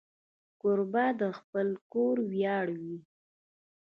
کوربه د خپل کور ویاړ وي.